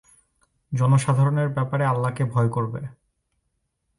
জনসাধারণের ব্যাপারে আল্লাহকে ভয় করবে।